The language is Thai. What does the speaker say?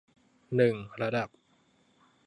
หนึ่ง ระดับ